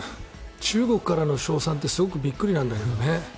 中国からの称賛ってすごくびっくりなんだけどね。